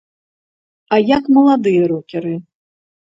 А як маладыя рокеры?